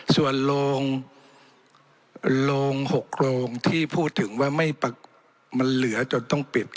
ส่วนโรง๖โรงที่พูดถึงว่ามันเหลือจนต้องปิด